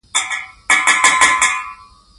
استاد موږ ته د ژوند په سختو پړاوونو کي د تګ لاره ښيي.